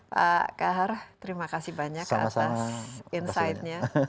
pak kahar terima kasih banyak atas insight nya